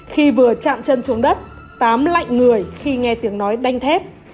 khi vừa chạm chân xuống đất tám lạnh người khi nghe tiếng nói đánh thép